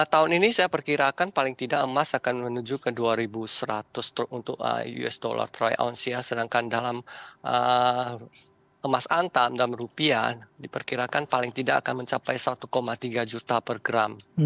tahun ini saya perkirakan paling tidak emas akan menuju ke dua ribu seratus untuk us dollar troy ounce ya sedangkan dalam emas antam dalam rupiah diperkirakan paling tidak akan mencapai satu dolar